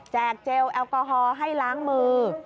เจลแอลกอฮอล์ให้ล้างมือ